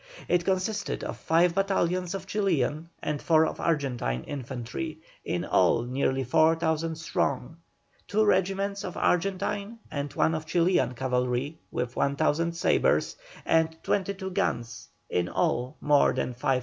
It consisted of five battalions of Chilian and four of Argentine infantry, in all nearly 4,000 strong, two regiments of Argentine and one of Chilian cavalry with 1,000 sabres and twenty two guns, in all more than 5,000 men.